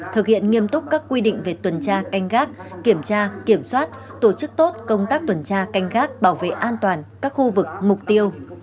thực hiện nghiêm túc các quy định về tuần tra canh gác kiểm tra kiểm soát tổ chức tốt công tác tuần tra canh gác bảo vệ an toàn các khu vực mục tiêu